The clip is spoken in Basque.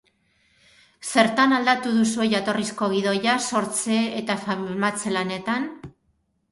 Zertan aldatu duzue jatorrizko gidoia, sortze eta filmatze lanetan?